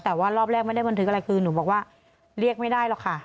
แต่ว่ารอบแรกไม่ได้บันทึกอะไรคือหนูบอกว่าเรียกไม่ได้หรอกค่ะ